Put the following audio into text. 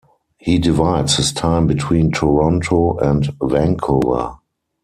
He divides his time between Toronto and Vancouver.